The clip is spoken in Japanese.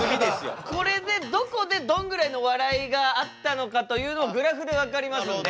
これでどこでどんぐらいの笑いがあったのかというのをグラフで分かりますんで。